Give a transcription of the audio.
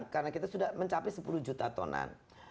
karena kita sudah mencapai sepuluh juta tonan